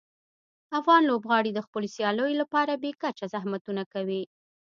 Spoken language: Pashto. افغان لوبغاړي د خپلو سیالیو لپاره بې کچه زحمتونه کوي.